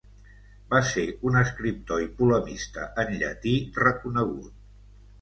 Va ser un escriptor i polemista en llatí reconegut.